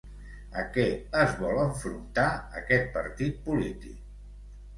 A què es vol enfrontar, aquest partit polític?